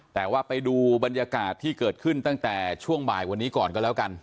แต่ว่าไปดูบรรยากาศที่เกิดขึ้นตั้งแต่ช่วงบ่ายวันนี้ก่อนก็แล้วกัน